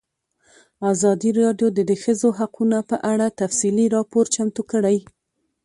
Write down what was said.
ازادي راډیو د د ښځو حقونه په اړه تفصیلي راپور چمتو کړی.